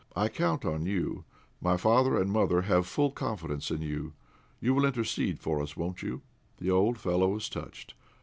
I count on you. My father and mother have full confidence in you. You will intercede for us, won't you?" The old fellow was touched.